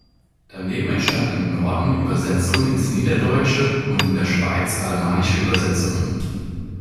Daneben entstanden im Norden Übersetzungen ins Niederdeutsche und in der Schweiz alemannische Übersetzungen.